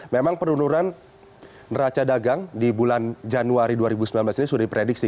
memang penurunan neraca dagang di bulan januari dua ribu sembilan belas ini sudah diprediksi